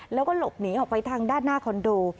แล้วก็หลบหนีออกไปทางด้านหน้าคอนโด